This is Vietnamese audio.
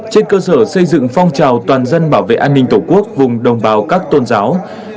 trên cơ sở xây dựng phong trào toàn dân bảo vệ an ninh tổ quốc vùng đồng bào các tôn giáo